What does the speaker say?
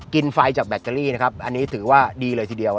ไฟจากแบตเตอรี่นะครับอันนี้ถือว่าดีเลยทีเดียว